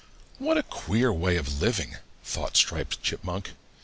"What a queer way of living!" thought Striped Chipmunk.